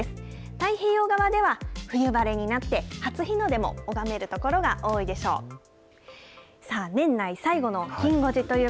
太平洋側では冬晴れになって、初日の出も拝める所が多いでしょう。